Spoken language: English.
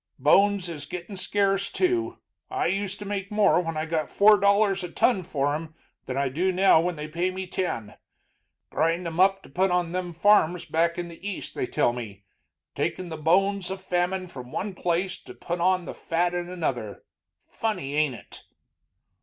Bones is gittin' scarce, too. I used to make more when I got four dollars a ton for 'em than I do now when they pay me ten. Grind 'em up to put on them farms back in the East, they tell me. Takin' the bones of famine from one place to put on fat in another. Funny, ain't it?"